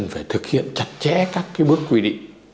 thì cần phải thực hiện chặt chẽ các cái bước quy định